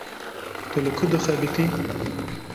Tu li ku dixebitî?